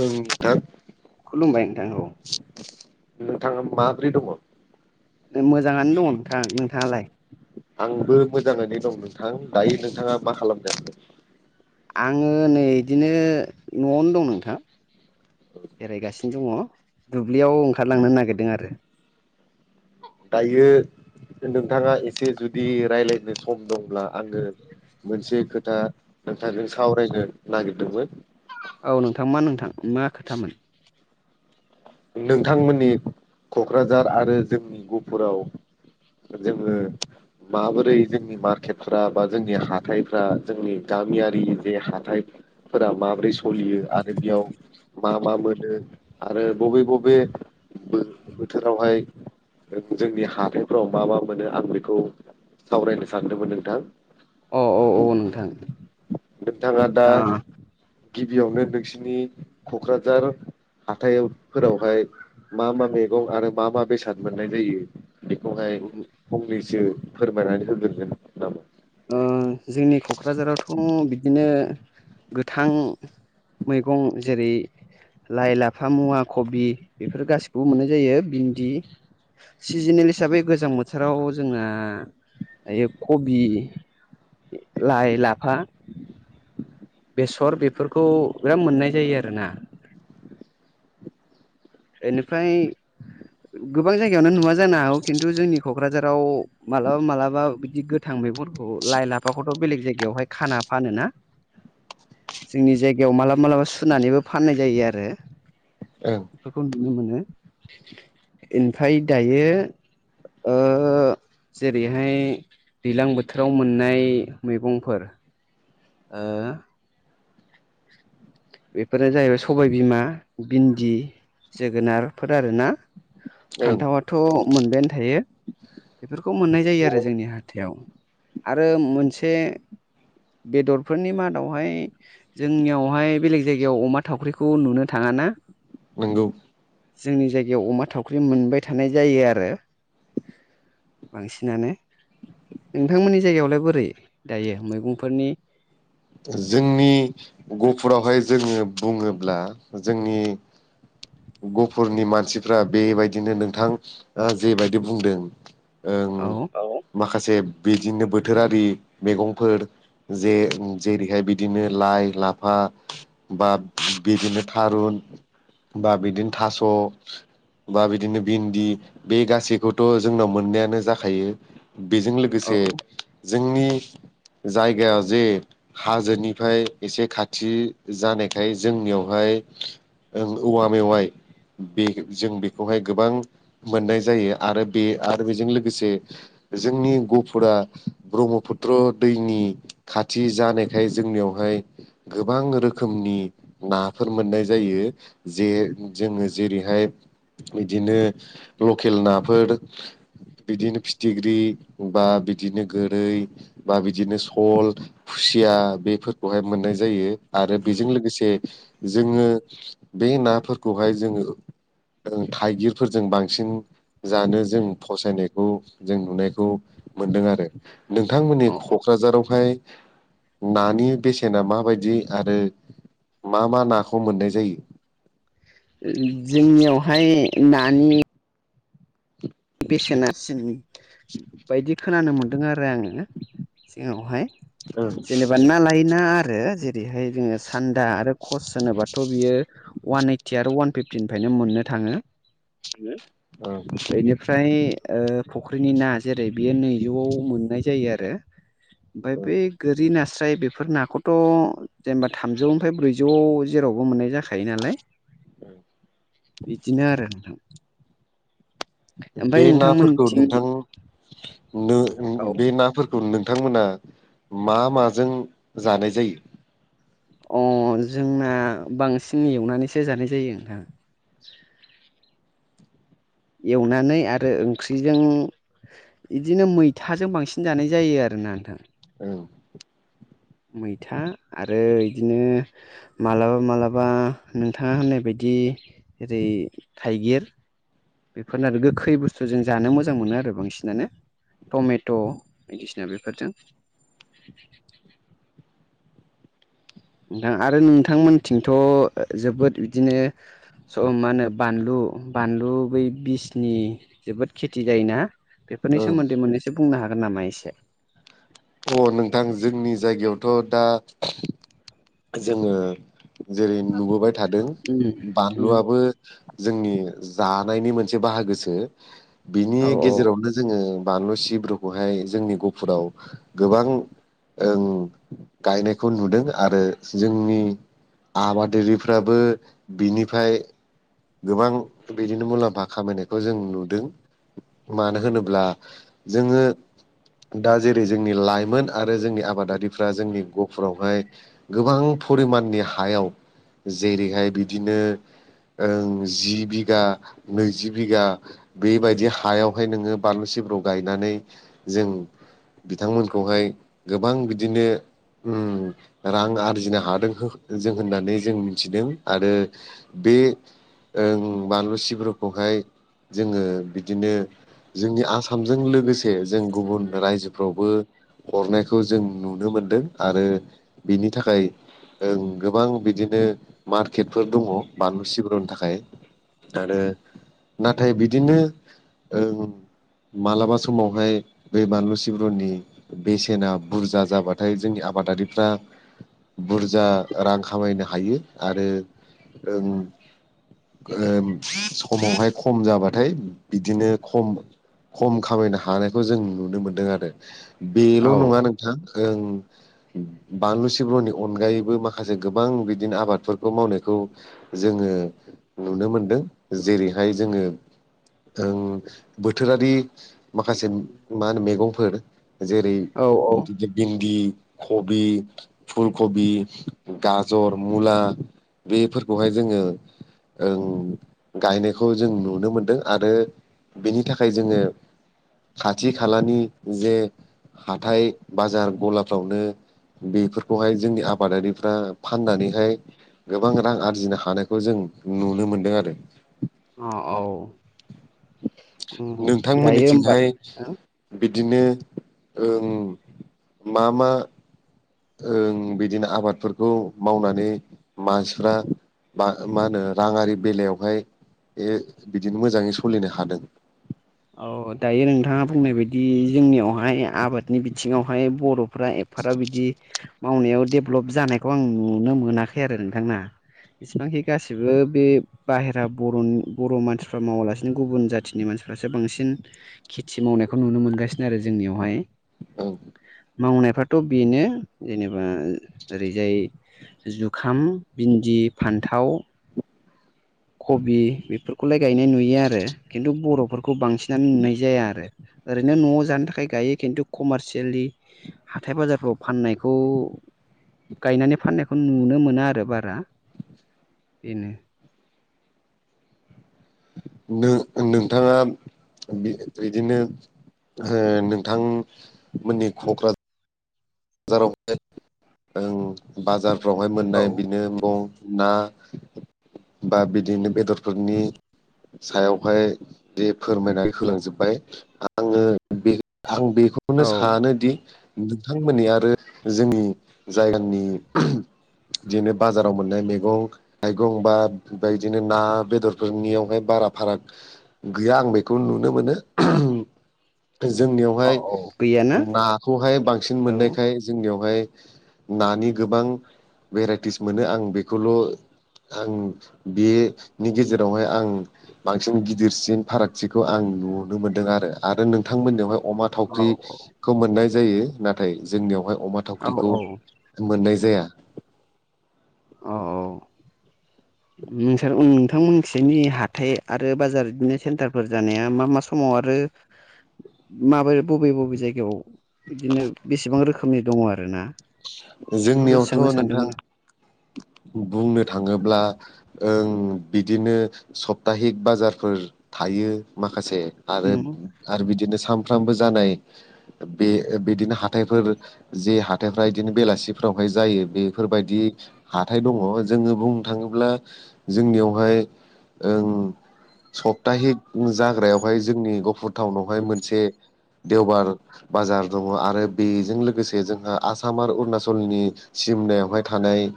ओं नोंथां खुलुमबाय नोंथां औ नोंथाङा माब्रै दङ मोजाङानो दङ नोंथां नोंथाङालाय आंबो मोजाङैनो दं नोंथां दायो नोंथाङा मा खालामदों आङो नै इदिनो न'आवनो दं नोंथां बेरायगासिनो दङ दुब्लियाव ओंखारलांनो नागिरदों आरो दायो नोंथाङा एसे जुदि रायलायनो सम दंब्ला आङो मोनसे खोथा नोंथांजों सावरायनो नागिरदोंमोन औ नोंथां मा नोंथां मा खोथामोन नोंथांमोननि क'क्राझार आरो जोंनि गुफुराव जोङो माबोरै जोंनि मार्केटफ्रा बा जोंनि हाथथायफ्रा जोंनि गामियारि जे हाथाय फोरा माब्रै सलियो आरो बेयाव मा मा मोनो आरो बबे बबे बोथोरावहाय जोंनि हाथायफोराव मा मा मोनो आं बेखौ सावरायनो सानदोंमोन नोंथां अ औ औ नोंथां नोंथाङा दा गिबियावनो नोंसिनि क'क्राझार हाथायाव फोरावहाय मा मा मैगं आरो मा मा बेसाद मोननाय जायो बेखौहाय ओ फंनैसो फोरमायनानै होग्रोदो नामा ओ जोंनि क'क्राझारावथ' बिदिनो गोथां मैगं जेरै लाइ लाफा मुवा कबि बेफोर गासिखौबो मोननाय जायो भिन्दि सिजोनेल हिसाबै गोजां बोथोराव जोंना दायो कबि लाइ लाफा बेसर बेफोरखौ बिराद मोननाय जायो आरोना बेनिफ्राय गोबां जायगायावनो नुवा जानो हागौ खिनथु जोंनि क'क्राझाराव मालाबा मालाबा बिदि गो थां मैगुरखौ लाइ लाफाखौथ' बेलेग जायगायावहाय खाना फानो ना [inaudible] जोंनि जायगायाव मालाबा मालाबा सुनानैबो फाननाय जायो आरो ओ बेखौ नुनो मोनो ओमफ्राय दायो ओ जेरैहाय दैज्लां बोथोराव मोननाय मैगंफोर ओ बेफोरो जाहैबाय सबायबिमा भिन्दि जोगोनारफोर आरोना ओं फानथावाथ' मोनबायानो थायो बेफोरखौ मोननाय जायो आरो जोंनि हाथायाव आरो मोनसे बेदरफोरनि मादावहाय जोंनियावहाय बेलेग जायगायाव अमा थावख्रिखौ नुनो थाङा ना नोंगौ जोंनि जायगायाव अमा थावख्रि मोनबाय थानाय जायो आरो बांसिनानो नोंथांमोननि जायगायावलाय बोरै दायो मैगंफोरनि जोंनि गुफुरावहाय जोङो बुङोब्ला जोंनि गफुरनि मानसिफ्रा बेबायदिनो नोंथां जेबायदि बुंदों ओं औ आव आव माखासे बिदिनो बोथोरारि मैगंफोर जे जेरैहाय बिदिनो लाइ लाफा बा बिदिनो थारुन बा बिदिनो थास' बा बिदिनो भिन्दि बे गासैखौथ' जोंनाव मोननायानो जाखायो बेजों औ लोगोसे जोंनि जायगायाव जे हाजोनिफ्राय एसे खाथि जानायखाय जोंनियावहाय ओं औवा मेवाइ बे जों बेखौहाय गोबां मोननाय जायो आरो बे आरो बेजों लोगोसे जोंनि गुफुरा ब्रह्मपुत्र दैनि खाथि जानायखाय जोंनियावहाय गोबां रोखोमनि नाफोर मोननाय जायो जे जोङो जेरैहाय बिदिनो लकेल नाफोर बिदिनो फिथिख्रि बा बिदिनो गोरै बा बिदिनो सल खुसिया बेफोरखौहाय मोननाय जायो आरो बेजों लोगोसे जोङो बे नाफोरखौहाय जोङो थाइगिरफोरजों बांसिन जानो जों फसायनायखौ जों नुनायखौ मोनदों आरो नोंथांमोननि अ अ क'क्राझारावहाय नानि बेसेना माबायदि आरो मा मा नाखौ मोननाय जायो जोंनियावहाय नानि बेसेनासिन बायदि खोनानो मोनदों आरो आङो जोंनावहाय ओं जेनेबा ना लायै ना आरो जेरैहाय जोङो सान्दा आरो कस होनोबाथ' बियो अवान ओइटि आरो अवान फिफटिनिफ्रायनो मोननो थाङो [unintelligible] फ्राय फुख्रिनि ना जेरै बेयो नैजौआव मोननाय जायो आरो ओमफफ्राय ओं बेै गोरि नास्राय बेफोर नाखौ थ' जेनेबा थामजौनिफ्राय ब्रैजौ जेरावबो मोननाय जाखायो नालाय औ बिदिनो आरो नोंथां ओमफ्राय बे नाफोरखौ नोंथांमोननिथिं नोंथां औ बे नाफोरखौ नोंथांमोना मा माजों जानाय जायो अ जोंना बांसिन एवनानैसो जानाय जायो नोंथां एवनानै आरो ओंख्रिजों बिदिनो मैथाजों बांसिन जानाय जायो आरोना नोंथां औ मैथा आरो बिदिनो मालाबा मालाबा नोंथाङा होननाय बायदि ओरै थाइगिर बेफोरनो आरो गोखै बुस्थु जों जानो मोजां मोनो आरो बांसिनानो टमेट' बायदिसिना बेफोरजों नोंथां आरो नोंथांमोनथिंथ' जोबोद बिदिनो स मा होनो बानलु बानलु बै बिसनि जोबोद खेथि जायोना बेफोरनि सोमोन्दै मोननैसो बुंनो हागोन नामा एसे अ नोंथां जोंनि जायगायावथ' दा जोङो जेरै नुबोबाय थादों उम उम बानलुआबो जोंनि जानायनि मोनसे बाहागोसो बिनि औ गेजेरावनो जोङो बानलु सिब्रुखौहाय जोंनि गुहफुराव गोबां गायनायखौ नुदों आरो जोंनि आबादिफ्राबो बिनिफ्राय गोबां बिदिनो मुलाम्फा खामायनायखौ जों नुदों मानो होनोब्ला जोङो दा जेरै जोंनि लाइमोन आरो जोंनि आबादारिफ्रा जोंनि गफुरावहाय गोबां परिमाननि हायाव जेरैहाय बिदिनो ओं जि बिघा नैजि बिघा बेबायदि हायावहाय नोङो बानलु सिब्राव गायनानै जों बिथांमोनखौहाय गोबां बिदिनो उम रां आरजिनो हादों जों होननानै जों मिथिदों आरो बे बानलुसिफोरखौहाय जोङो बिदिनो जोंनि आसामजों लोगोसे जों गुबुन रायजोफ्रावबो अरनायखौ जों नुनो मोनदों आरो बिनि थाखाय ओ गोबां बिदिनो मार्केटफोर दङ बानलु सिब्रुनि थाखाय आरो नाथाय बिदिनो ओ मालाबा समावहाय बे बानलु सिब्रनि बेसेना बुरजा जाबाथाय जोंनि आबादारिफ्रा बुरजा रां खामायनो हायो आरो उम समावहाय खम जाबाथाय बिदिनो खम खम खामायनो हानायखौ जों नुनो मोनदों आरो औ बेल' नङा नोंथां ओं बानलु सिब्रहनि अनगायैबो माखासे गोबां बिदिनो आबादफोरखौ मावनायखौ जोङो नुनो मोनदों जेरैहाय जोङो ओ बोथोरारि माखासे मा होनो मैगंफोर जेरै औ औ बिदिनो भिन्दि कबि फुलखबि गाजर मुला बेफोरखौहाय जोङो ओं गायनायखौ जों नुनो मोनदों आरो बेनि थाखाय जोङो खाथि खालानि जे हाथाय बाजार गलाफ्रावनो बेफोरखौहाय जोंनि आबादारिफ्रा फाननानैहाय गोबां रां आरजिनो हानायखौ जों नुनो मोनदों आरो। अ औ उम दायो होमबा नोंथांमोननिथिंहाय हो बिदिनो ओ मा मा? ओं बिदिनो आबादफोरखौ मावनानै मानसिफ्रा बा मा होनो राङारि बेलायावहाय बे बिदिनो मोजाङै सोलिनो हादों? औ दायो नोंथाङा बुंनाय बायदि जोंनियावहाय आबादनि बिथिङावहाय बर'फ्रा फोरा बिदि मावनायाव डेभलप जानायखौ आं नुनो मोनाखै आरो नोंथांना। इसिबांखि गासिबो बे बाहेरा बर'नि बर' मानसिफ्रा मावालासिनो गुबुन जाथिनि मानसिफ फ्रासो बांसिन खेथि मावनायखौ नुनो मोनगासिनो आरो जोंनियावहाय। ओं मावनायफ्राथ' बेनो जेनेबा ओरैजाय जुखाम भिन्दि फान्थाव कबि बेफोरखौलाय गायनाय नुयो आरो खिन्थु बर'फोरखौ बांसिनानो नुनाय जाया आरो। ओरैनो न'आव जानो थाखाय गायो खिन्थु कमारसियेलि हाथाय बाजारफ्राव फाननायखौ गायनानै फाननायखौ नुनो मोना आरो बारा बेनो। नो नोंथाङा बिदिनो नोंथां मोननि क'क्राझार जाराव बाजारफ्रावहाय औ मोननाय बिनोदिनो [unintelligible] दख बा बिदिनो बेदरफोरनि सायावहाय बे फोरमायनानै होलांजोबबाय। आङो बे आं बेखौनो औ सानोदि नोंथां मोननि आरो जोंनि जायगानि बिदिनो बाजाराव मोननाय मैगं थाइगं बा बेबायदिनो ना बेदरफोरनियावहाय बारा फाराग गैया आं बेखौ नुनो मोनो। जोंनियावहाय औ गैयाना नाखौहाय बांसिन औ मोननायखाय जोंनियावहाय नानि गोबां भेराइटिस मोनो आं बेखौलबो ओ आं बेनि गेजेरावहाय आं बांसिन गिदिरसिन फारागथिखौ आं नुनो मोन्दों आरो नोंथांमोननियावहाय अमा औ थावख्रिखौ मोननाय जायो नाथाय जोंनियावहाय अमा औ थावख्रिखौ। औ मोननाय जाया। औ औ। सार नोंथांमोनथिनि हाथाय आरो बाजार बिदिनो सेन्टारफोर जानाया मा मा समाव आरो। [inaudible] ओ माबोरै बबे बबे जायगायाव बिदिनो बेसेबां रोखोमनि दङ आरो ना जोंनियावथ' नोंथां ओ बुंनो थाङोब्ला ओं बिदिनो सप्ताहिक बाजारफोर थायो माखासे ओ आरो आं आरो बिदिनो सानफ्रामबो जानाय बे बिदिनो हाथायफोर जे हाथायफ्रा बिदिनो बेलासिफोरावहाय जायो बेफोरबायदि हाथाय दङ जोङो बुंनो थाङोब्लाबो जोंनियावहाय ओं सप्ताहिक जाग्रायावहाय जोंनि गफुर टाउनावहाय मोनसे देवबार बाजार दङ आरो बेजों लोगोसे जोंहा आसाम आसाम आरो अरुणाचलनि सिमनायावहाय थानाय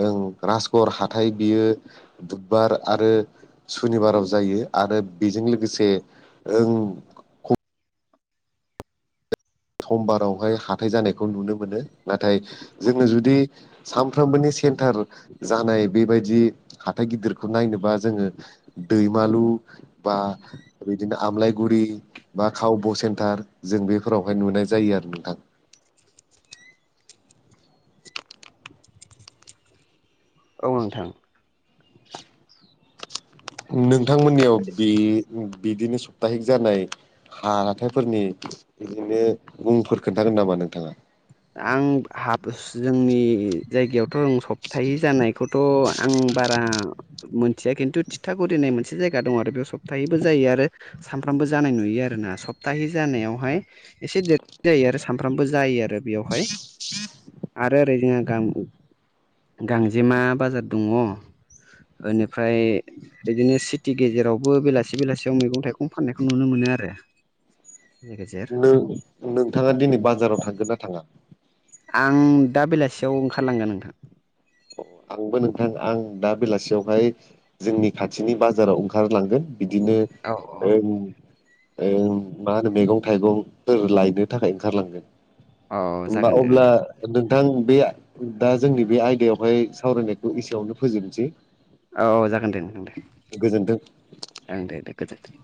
ओं राजगर हाथाय बियो बुधबार आरो सुनिबाराव जायो आरो बेजों लोगोसे। ओं। समबारावहाय हाथाय जानायखौ नुनो मोनो नाथाय जोङो जुदि सानफ्रोमबोनि सेन्टार जानाय बेबायदि हााइ गिदिरखौ नायनोबा जोङो। दैमालु बा बिदिनो आमलायगुरि बा कावब' सेन्टार जों ओ बेफोरावहाय नुनाय जायो आरो नोंथां औ नोंथां। नोंथांमोननियाव बे बिदिनो सप्ताहिक जानाय हाथायफोरनि बिदिनो मुंफोर खोन्थागोन नामा नोंथाङा? आं ह जोंनि जायगायावथ' रों सप्ताहै जानायखौथ' आं बारा मोनथिया खिन्थु थिथागुरि होननाय मोनसे जायगा दं आरो बेयाव सप्ताहैबो जायो आरो। सानफ्रामबो जानाय नुयो आरोना सप्ताहै जानायावहाय एसे देरसिन जायो आरो सानफ्रामबो जायो आरो। थाबाय आरो ओरै जोंहा गा गांजेमा बाजार दङ ओनिफ्राय बिदिनो सिटि गेजेरावबो बेलासि बेलासियाव मैगं थाइगं फाननायखौ नुनो मोनो आरो। लोगोसे नोंथाङा दिनै बाजाराव थांगोन ना थाङा? आं दा बेलासियाव ओंखारलांगोन नोंथां। आंबो नोंथां आं दा बेलासियावहाय जोंनि खाथिनि बाजाराव ओंखारलांगोन। बिदिनो औ औ ओं मा होनो मैगं थाइगंफोर लायनो थाखाय ओंखारलांगोन। औ हबा जागोन दे अब्ला नोंथां नोंथां बे दा जोंनि बे आयदायाव बेमाय सावरायनायखौ एसेयावनो फोजोबनोसै। औ औ जागोन दे नोंथां दे गोजोन्थों ओं दे दे गोजोन्थों।